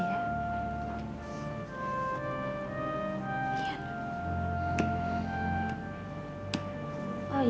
cuma harus diceritain kalo gak salah ya